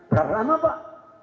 berapa lama pak